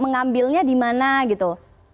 mengambilnya di mana gitu